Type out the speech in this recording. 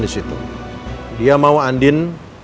di situ dia mau andin